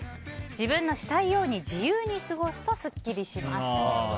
自分のしたいように自由に過ごすとスッキリします。